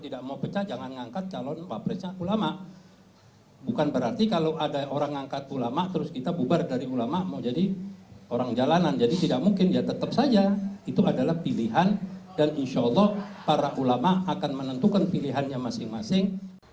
dan insya allah para ulama akan menentukan pilihannya masing masing